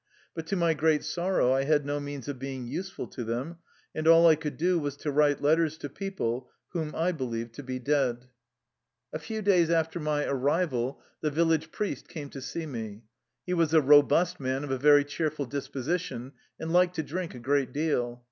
But to my great sorrow I had no means of being useful to them, and all I could do was to write letters to people whom I believed to be dead. 102 THE LIFE STORY OF A RUSSIAN EXILE A few days after my arrival the village priest came to see me. He was a robust man of a very cheerful disposition and liked to drink a great deal.